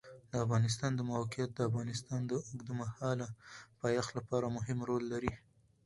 د افغانستان د موقعیت د افغانستان د اوږدمهاله پایښت لپاره مهم رول لري.